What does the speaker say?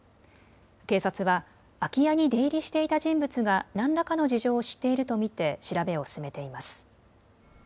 警察は空き家に出入りしていた人物が何らかの事情を知っていると見て調べを進めています。